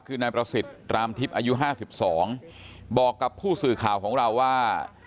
คือนายประสิทธิ์รามทิพย์อายุ๕๒บอกกับผู้สื่อข่าวของเราว่า